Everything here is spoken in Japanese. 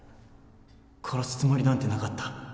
殺すつもりなんてなかった